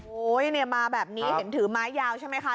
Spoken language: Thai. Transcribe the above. โอ้ยเนี่ยมาแบบนี้ครับเห็นถือไม้ยาวใช่ไหมค่ะ